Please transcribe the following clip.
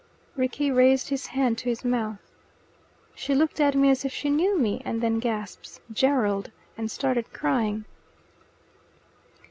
Rickie raised his hand to his mouth. "She looked at me as if she knew me, and then gasps 'Gerald,' and started crying."